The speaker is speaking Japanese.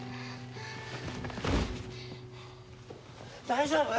大丈夫！？